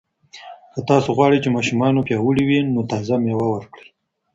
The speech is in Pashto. که تاسو غواړئ چې ماشومان مو پیاوړي وي، نو تازه مېوه ورکړئ.